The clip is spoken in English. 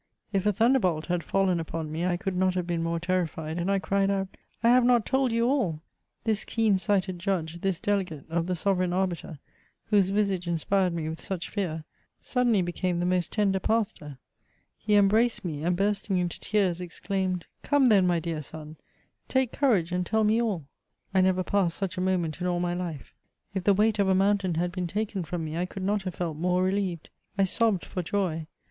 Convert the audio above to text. If a thunderbolt had fallen upon me, I could not have been more terrified ; and I cried out, " I have not told you all !" This keen sighted judge, this delegate of the Sovereign Arbiter^ whose visage inspired me with such fear, suddenly became the most tender pastor ; he embraced me, and, bursting into tears, exclaimed, " Come, then, my dear son, take courage, and tell meaUr I never passed such a moment in all my life. If the weight of a mountain had been taken from me, I could not have felt more reUeved. I sobbed for joy.